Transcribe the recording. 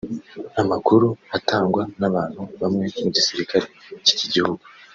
Amakuru atangwa n’abantu bamwe mu gisirikare cy’iki gihugu